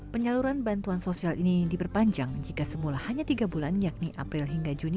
penyaluran bantuan sosial ini diperpanjang jika semula hanya tiga bulan yakni april hingga juni